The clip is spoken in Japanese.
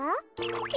え！